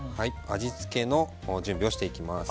味付けの準備をしていきます。